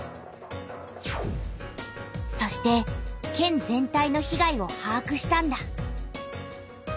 そして県全体の被害をはあくしたんだ。